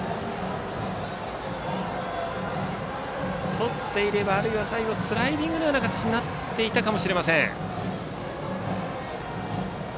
とっていれば、あるいは最後はスライディングのような形になっていたかもしれません。